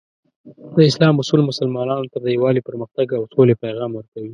د اسلام اصول مسلمانانو ته د یووالي، پرمختګ، او سولې پیغام ورکوي.